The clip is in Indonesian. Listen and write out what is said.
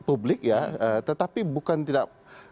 publik ya tetapi bukan tidak